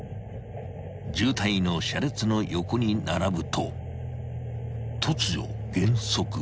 ［渋滞の車列の横に並ぶと突如減速］